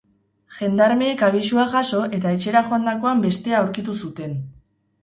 Gendarmeek abisua jaso eta etxera joandakoan bestea aurkitu zuten.